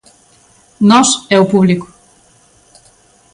Nós e o público.